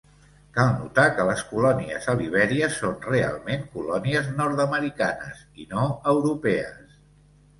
Cal notar que les colònies a Libèria, són realment colònies nord-americanes i no europees.